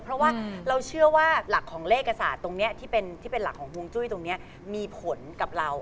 เพราะว่าเราเชื่อว่าหลักของเลขศาสตร์ตรงนี้ที่เป็นหลักของฮวงจุ้ยตรงนี้มีผลกับเรา